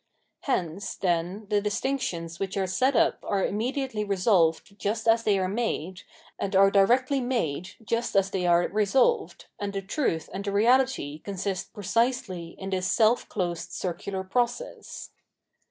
Hence, then, the distinctions which are set up are immediately resolved just as they are made, and are directly made just as they are resolved, and the truth and the reality consist precisely in this seK closed circular process.